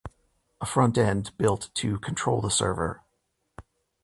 a front-end built to control the server